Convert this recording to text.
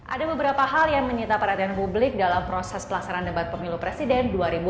ada beberapa hal yang menyita perhatian publik dalam proses pelaksanaan debat pemilu presiden dua ribu dua puluh